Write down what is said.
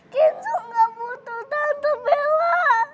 kenzo gak butuh tante bella